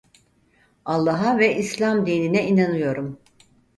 Allah'a ve İslam dinine inanıyorum.